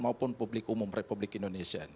maupun publik umum republik indonesia